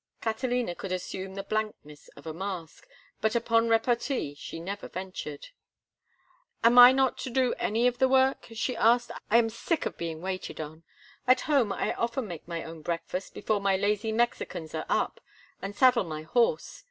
Catalina could assume the blankness of a mask, but upon repartee she never ventured. "Am I not to do any of the work?" she asked. "I am sick of being waited on. At home I often make my own breakfast before my lazy Mexicans are up, and saddle my horse.